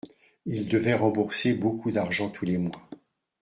Il devait rembourser beaucoup d’argent tous les mois.